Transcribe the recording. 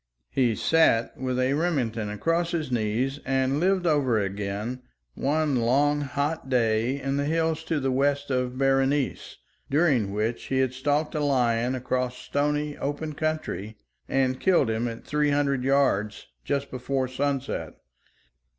He sat with a Remington across his knee and lived over again one long hot day in the hills to the west of Berenice, during which he had stalked a lion across stony, open country, and killed him at three hundred yards just before sunset.